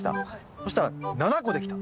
そしたら７個できた。